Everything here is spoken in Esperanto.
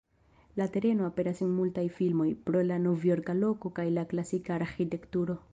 La tereno aperas en multaj filmoj, pro la novjorka loko kaj la klasika arĥitekturo.